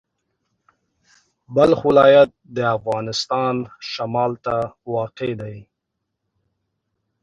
بلخ ولایت د افغانستان شمال ته واقع دی.